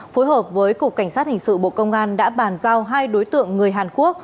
phối hợp với cục cảnh sát hình sự bộ công an đã bàn giao hai đối tượng người hàn quốc